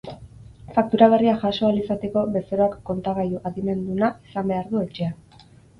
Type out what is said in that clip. Faktura berria jaso ahal izateko, bezeroak kontagailu adimenduna izan behar du etxean.